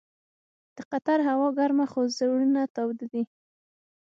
د قطر هوا ګرمه خو زړونه تاوده دي.